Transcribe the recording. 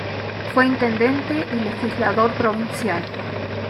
Fue intendente y legislador provincial.